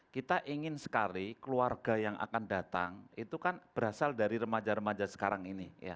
kita ingin sekali keluarga yang akan datang itu kan berasal dari remaja remaja sekarang ini